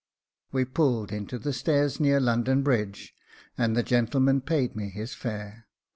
We pulled into the stairs near London Bridge, and the gentleman paid me his fare.